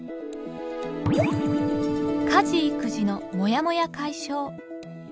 家事育児のもやもや解消。